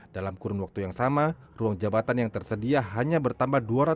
dalam kurun waktu yang sama ruang jabatan yang tersedia hanya bertambah dua ratus delapan puluh lima jabatan saja